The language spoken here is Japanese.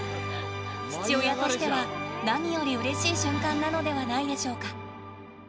父親としては何よりうれしい瞬間なのではないでしょうか？